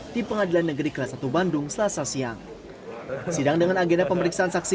di pengadilan negeri kelas satu bandung selasa siang sidang dengan agenda pemeriksaan saksi